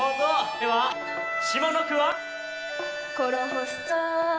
では下の句は？